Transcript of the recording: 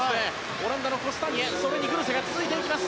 オランダのコスタニエそれにグルセが続いていきます。